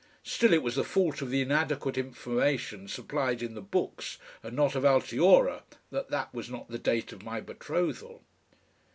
Still it was the fault of the inadequate information supplied in the books and not of Altiora that that was not the date of my betrothal.